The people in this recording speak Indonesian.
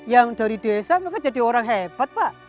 yang dari desa mereka jadi orang hebat pak